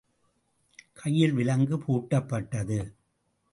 கையில் விலங்கு பூட்டப்பட்டது.